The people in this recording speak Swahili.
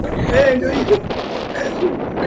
Kiarabu na Bahrain yalikuwa nyumbani kwa makabila madogo